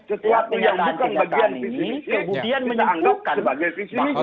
setiap penyataan penyataan ini